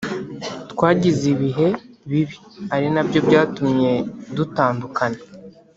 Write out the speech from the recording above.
twagize ibihe bibi ari nabyo byatumye dutandukana”